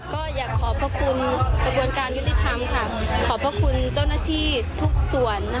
ก็อยากขอบคุณกระบวนการวิธีธรรมขอบคุณเจ้าหน้าที่ทุกส่วน